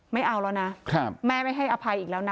ไม่เอาแล้วนะแม่ไม่ให้อภัยอีกแล้วนะ